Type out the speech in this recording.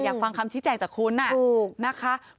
อยากฟังคำชี้แจกจากคุณนะคะ